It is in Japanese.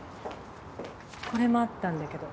これもあったんだけど。